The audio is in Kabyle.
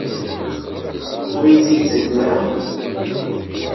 Ur iyi-tt-id-tettakemt ara?